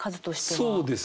そうですか。